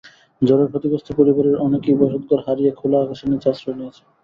ঝড়ে ক্ষতিগ্রস্ত পরিবারের অনেকেই বসতঘর হারিয়ে খোলা আকাশের নিচে আশ্রয় নিয়েছেন।